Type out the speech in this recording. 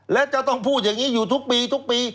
และจะต้องพูดอย่างนี้อยู่ทุกปีทุกปี